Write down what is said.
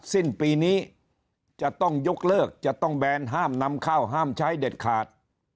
สิ้นปีนี้จะต้องยกเลิกจะต้องแบนห้ามนำข้าวห้ามใช้เด็ดขาด